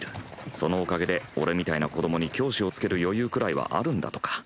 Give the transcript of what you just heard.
そのおかげで俺みたいな子供に教師をつける余裕くらいはあるんだとか。